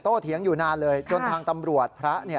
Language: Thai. เถียงอยู่นานเลยจนทางตำรวจพระ